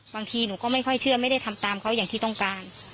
บางทีหนูก็ไม่ค่อยเชื่อไม่ได้ทำตามเขาอย่างที่ต้องการ